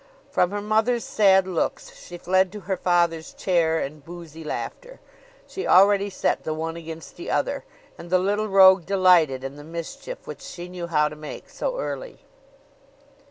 From her mother's sad looks she fled to her father's chair and boozy laughter. She already set the one against the other: and the little rogue delighted in the mischief which she knew how to make so early.